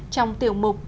trong tiểu mục